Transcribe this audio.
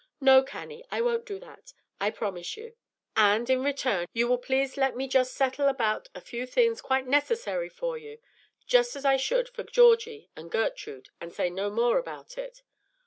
"No, Cannie, I won't do that, I promise you; and in return, you will please let me just settle about a few little necessary things for you, just as I should for Georgie and Gertrude, and say no more about it.